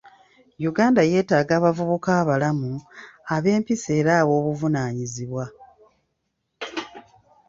Uganda yeetaaga abavubuka abalamu, ab'empisa era ab'obuvunaanyizibwa.